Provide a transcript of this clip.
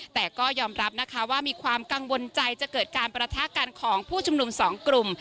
แต่ก็ยอมรับนะคะว่ามีความกังวลใจจะเกิดการประทะกันของผู้ชุมนุมสองกลุ่ม